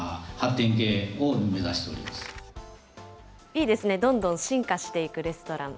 いいですね、どんどん進化していくレストラン。